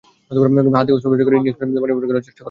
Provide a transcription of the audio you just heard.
পরে হাতে অস্ত্রোপচার করে ইনজেকশনের পানি বের করার চেষ্টা করা হয়।